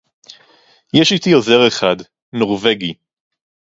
יֵשׁ אִתִּי עוֹזֵר אֶחָד, נוֹרְוֶגִי.